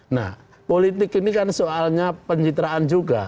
nah politik ini kan soalnya pencitraan juga